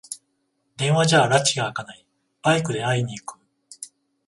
電話じゃらちがあかない、バイクで会いに行く